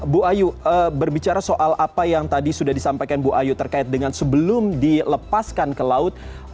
bu ayu berbicara soal apa yang tadi sudah disampaikan bu ayu terkait dengan sebelum dilepaskan ke laut